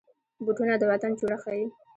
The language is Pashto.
بوټونه د وطن جوړښت ښيي.